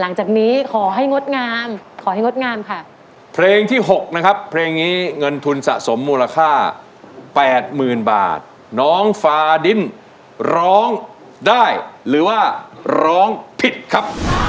ร้องได้ร้องได้ร้องได้ร้องได้ร้องได้ร้องได้ร้องได้ร้องได้